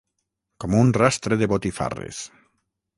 Com un rastre de botifarres.